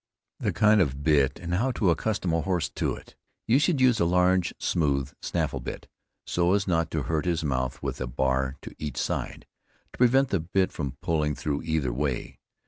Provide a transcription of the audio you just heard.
THE KIND OF BIT AND HOW TO ACCUSTOM A HORSE TO IT. You should use a large, smooth, snaffle bit, so as not to hurt his mouth, with a bar to each side, to prevent the bit from pulling through either way.